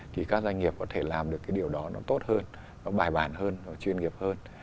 thì các doanh nghiệp có thể làm được cái điều đó nó tốt hơn nó bài bản hơn nó chuyên nghiệp hơn